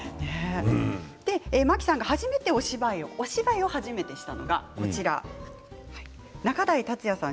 真木さんが初めてお芝居をしたのが仲代達矢さん